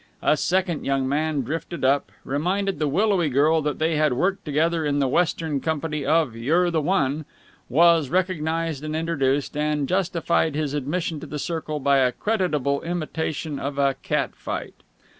A second young man drifted up; reminded the willowy girl that they had worked together in the western company of "You're the One"; was recognized and introduced, and justified his admission to the circle by a creditable imitation of a cat fight.